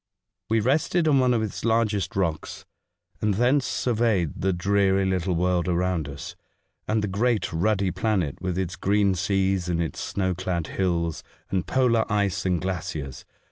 We rested on one of its largest rocks, and thence surveyed the dreary little world around us, and the great ruddy planet, with its green seas and its snow clad hills, and polar ice and glaciers.